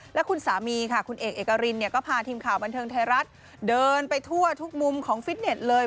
และคุณสามีค่ะคุณเอกเอกรินเนี่ยก็พาทีมข่าวบันเทิงไทยรัฐเดินไปทั่วทุกมุมของฟิตเน็ตเลย